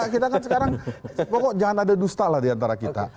kita kan sekarang pokoknya jangan ada dusta lah diantara kita